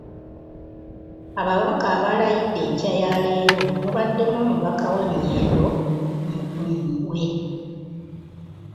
Ababaka abalayidde enkya ya leero mubaddemu Omubaka wa Nnyendo, Mukungwe.